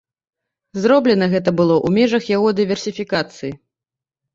Зроблена гэта было ў межах яго дыверсіфікацыі.